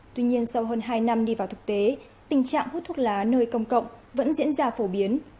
tuy nhiên sau hơn hai năm đi vào thực tế tình trạng hút thuốc lá nơi công cộng vẫn diễn ra phổ biến